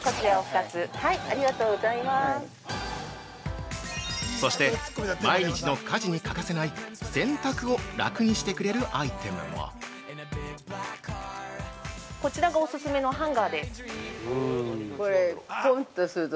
◆そして、毎日の家事に欠かせない洗濯を楽にしてくれるアイテムも◆こちらがお勧めのハンガーです。